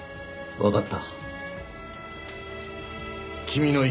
わかった。